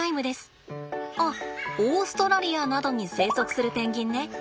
あっオーストラリアなどに生息するペンギンね。